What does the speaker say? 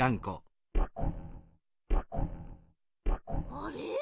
あれ？